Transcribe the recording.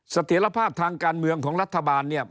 เสถียรภาพทางการเมืองของรัฐบาลเนี่ย